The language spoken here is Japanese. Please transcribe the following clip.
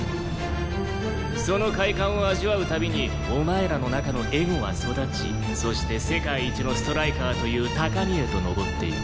その快感を味わう度にお前らの中のエゴは育ちそして世界一のストライカーという高みへと上っていく。